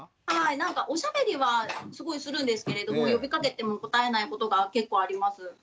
なんかおしゃべりはすごいするんですけれども呼びかけても答えないことが結構あります。